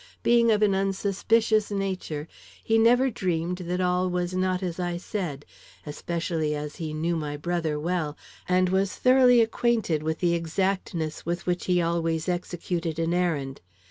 Being of an unsuspicious nature, he never dreamed that all was not as I said, especially as he knew my brother well, and was thoroughly acquainted with the exactness with which he always executed an errand.